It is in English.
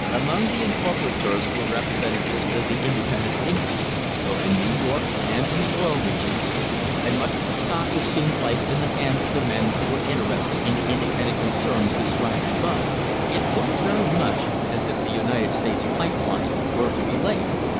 Among the incorporators were representatives of the independents' interests, both in New York and in the Oil Regions, and much of the stock was soon placed in the hands of the men who were inter ested in the independent concerns described above. It looked very much as if the United States Pipe Line were to be laid.